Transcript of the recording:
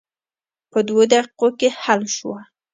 په دوه دقیقو کې حل شوه.